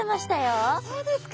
あっそうですか。